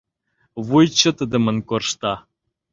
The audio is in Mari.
Вуй чытыдымын коршта.